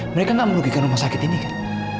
mereka nggak merugikan rumah sakit ini kan